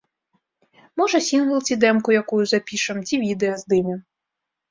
Можа, сінгл ці дэмку якую запішам, ці відэа здымем.